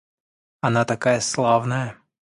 Она такая славная.